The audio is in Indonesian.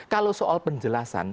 kalau soal penjelasan